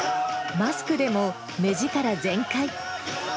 マスクでも目力全開。